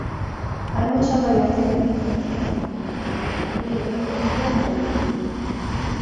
Hay muchas variaciones de esta receta, como la que incluye huevo duro en relleno.